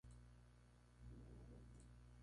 Bailey nació y se crió en Manhattan, Kansas.